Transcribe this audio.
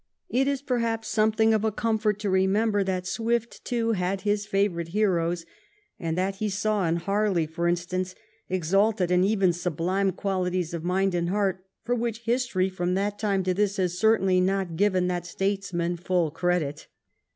It is perhaps something of a comfort to remember that Swift, too, had his favorite heroes, and that he saw in Harley, for instance, exalted and even sublime qualities of mind and heart for which history from that time to this has certainly not given that statesman full credit.